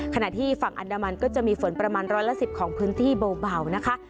ขณะที่ฝั่งอันดามันก็จะมีฝนประมาณร้อยละ๑๐ของพื้นที่เบานะคะ